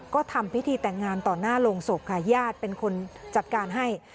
ก็ทำพิธีแต่งงานต่อหน้าโรงศพค่ะญาติเป็นคนจัดการให้